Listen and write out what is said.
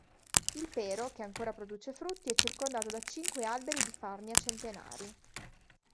Il pero, che ancora produce frutti, è circondato da cinque alberi di farnia centenari.